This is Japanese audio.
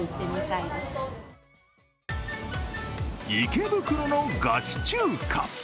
池袋のガチ中華。